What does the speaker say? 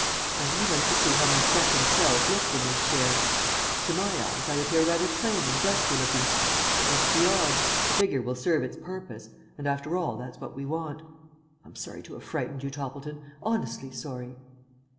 I only wanted to see how my second self looked in this chair. To my eyes I appear rather plain and dusky looking, but what's the odds? The figure will serve its purpose, and after all that's what we want. I'm sorry to have frightened you, Toppleton, honestly sorry."